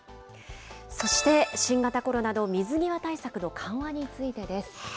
そして、新型コロナの水際対策の緩和についてです。